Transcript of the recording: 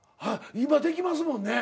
今できますもんね。